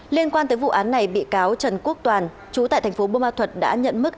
liên quan tới vụ án này bị cáo trần quốc toàn chú tại thành phố bô ma thuật đã nhận mức